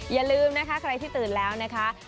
อย่าลืมนะคะใครที่ตื่นแล้วนะคะ